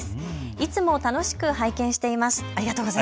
いつも楽しく拝見しています。